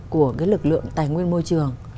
của cái lực lượng tài nguyên môi trường